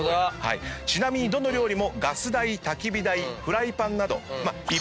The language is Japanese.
ちなみにどの料理もガス台たき火台フライパンなど。